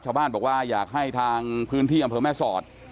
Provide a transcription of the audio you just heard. ชาวบ้านบอกว่าอยากให้ทางพื้นที่อำเภอแม่สอด